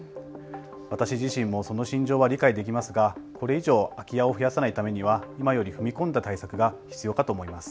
私自身もその心情は理解できますがこれ以上空き家を増やさないためには今より踏み込んだ対策が必要かと思います。